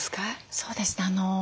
そうですね。